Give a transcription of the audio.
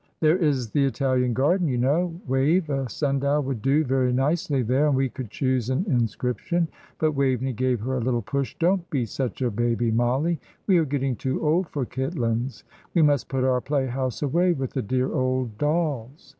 "There is the Italian garden, you know, Wave, a sundial would do very nicely there, and we could choose an inscription." But Waveney gave her a little push. "Don't be such a baby, Mollie. We are getting too old for Kitlands. We must put our play house away with the dear old dolls.